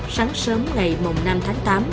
sáng sớm ngày năm tháng tám